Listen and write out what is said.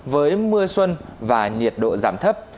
với mưa xuân và nhiệt độ giảm thấp